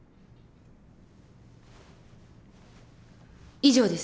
以上です。